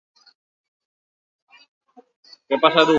Ez utzi txutxumutxuei zure eguna tristetzen.